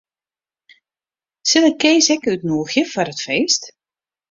Sil ik Kees ek útnûgje foar it feest?